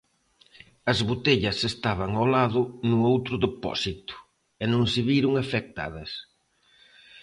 As botellas estaban ao lado no outro depósito e non se viron afectadas.